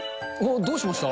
どうしました？